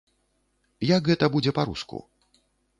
Як гэта будзе па-руску?